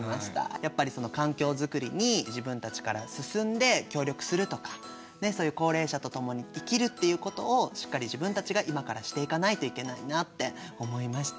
やっぱりその環境作りに自分たちから進んで協力するとかそういう高齢者とともに生きるっていうことをしっかり自分たちが今からしていかないといけないなって思いました。